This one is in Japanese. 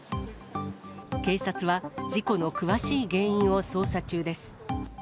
警察は事故の詳しい原因を捜査中です。